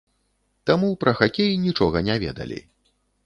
Таму пра хакей нічога не ведалі.